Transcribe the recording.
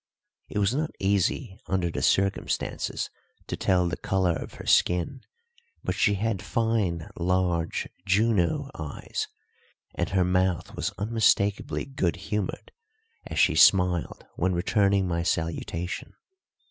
It was not easy under the circumstances to tell the colour of her skin, but she had fine large Juno eyes, and her mouth was unmistakably good humoured, as she smiled when returning my salutation.